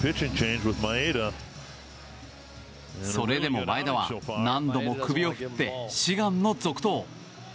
それでも前田は何度も首を振って志願の続投。